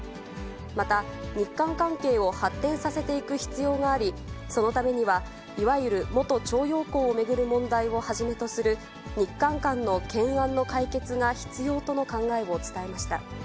また、日韓関係を発展させていく必要があり、そのためには、いわゆる元徴用工を巡る問題をはじめとする日韓間の懸案の解決が必要との考えを伝えました。